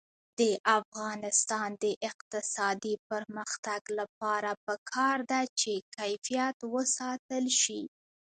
د افغانستان د اقتصادي پرمختګ لپاره پکار ده چې کیفیت وساتل شي.